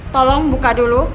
tolong buka dulu